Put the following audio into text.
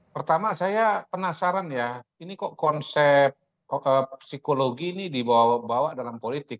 pertama saya penasaran ya ini kok konsep psikologi ini dibawa bawa dalam politik